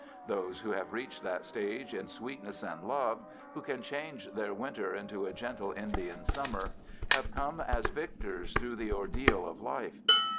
Those who have reached that stage in sweetness and love, who can change their winter into a gentle Indian summer, have come as victors through the ordeal of life.